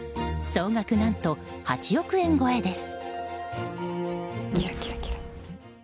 総額、何と８億円超えです。